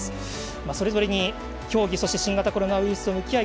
それぞれに競技、そして新型コロナウイルスと向き合い